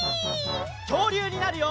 きょうりゅうになるよ！